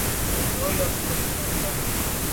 Boa bo lo bumte mfe ntàne.